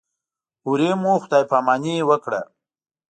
هورې مو خدای پاماني وکړه.